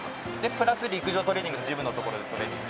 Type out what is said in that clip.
プラス陸上トレーニングジムの所でトレーニングして。